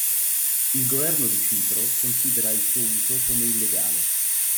Il governo di Cipro considera il suo uso come illegale.